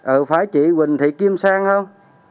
ừ phải chị huỳnh thị kim sang không